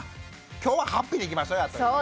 今日はハッピーにいきましょうやという。